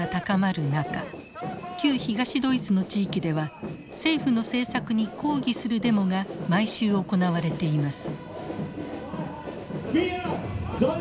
旧東ドイツの地域では政府の政策に抗議するデモが毎週行われています。